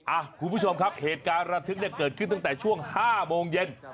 คุณผู้ชมครับเหตุการณ์ระทึกเนี่ยเกิดขึ้นตั้งแต่ช่วง๕โมงเย็น